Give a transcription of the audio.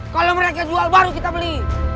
kalau mereka jual baru kita beli